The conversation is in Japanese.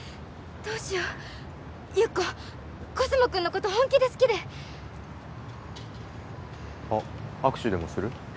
どうしようゆっこコスモくんのこと本気で好きであっ握手でもする？